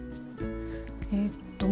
えっと